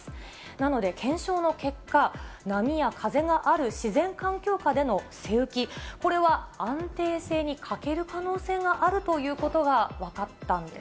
なので、検証の結果、波や風がある自然環境下での背浮き、これは安定性に欠ける可能性があるということが分かったんです。